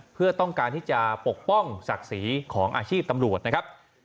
เพื่อต้องการที่จะปกป้องศักดิ์ศรีของอาชีพตำรวจนะครับ